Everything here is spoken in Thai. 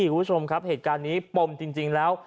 คุณผู้ชมครับเหตุการณ์นี้ปมจริงแล้ว